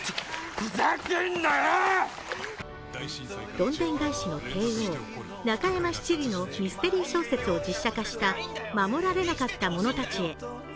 どんでん返しの帝王、中山七里のミステリー小説を実写化した「護られなかった者たちへ」。